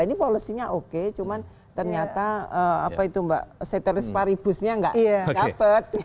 ini policynya oke cuman ternyata apa itu mbak seteris paribusnya gak dapet